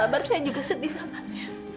sabar saya juga sedih sabar ya